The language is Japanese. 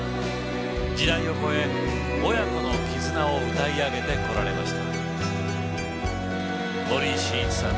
時代を超え、親子の絆を歌い上げてこられました。